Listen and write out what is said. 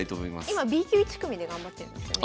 今Ｂ級１組で頑張ってるんですよね。